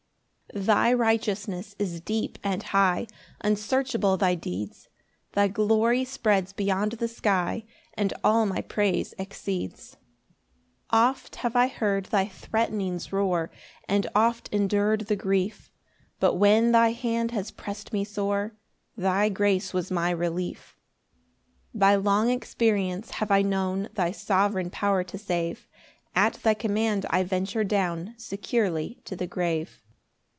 5 Thy righteousness is deep and high, Unsearchable thy deeds; Thy glory spreads beyond the sky, And all my praise exceeds. 6 Oft have I heard thy threatenings roar, And oft endur'd the grief; But when thy hand has press'd me sore, Thy grace was my relief. 7 By long experience have I known Thy sovereign power to save; At thy command I venture down Securely to the grave.